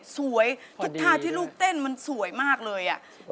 ทุกท่าที่ลูกเต้นมันสวยมากเลย